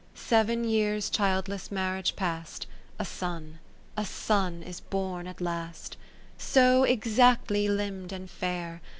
Seven years childless marriage past, A Son, a Son is born at last : So exactly limb'd and fair.